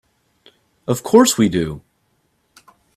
Of course we do.